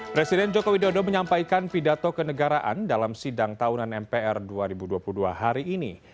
presiden joko widodo menyampaikan pidato kenegaraan dalam sidang tahunan mpr dua ribu dua puluh dua hari ini